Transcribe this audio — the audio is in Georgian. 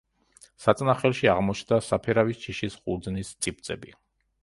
საწნახელში აღმოჩნდა საფერავის ჯიშის ყურძნის წიპწები.